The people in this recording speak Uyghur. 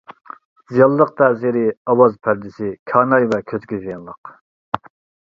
زىيانلىق تەسىرى ئاۋاز پەردىسى، كاناي ۋە كۆزگە زىيانلىق.